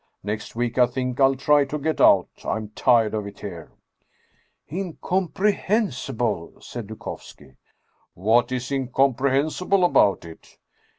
Next week I think I'll try to get out. I'm tired of it here !"" Incomprehensible !" said Dukovski. " What is incomprehensible about it